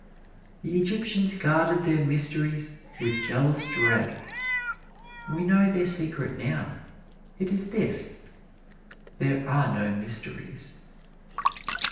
The Egyptians guarded their mysteries with jealous dread. We know their secret now. It is this there are no mysteries.